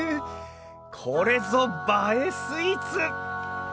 これぞ映えスイーツ！